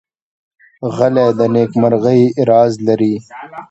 غلی، د نېکمرغۍ راز لري.